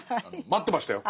待ってましたよ。